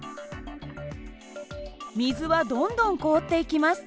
水はどんどん凍っていきます。